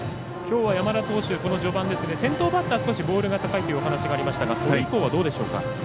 きょうは山田投手序盤ですね、先頭バッターボールが高いというお話がありましたがそれ以降はどうでしょうか？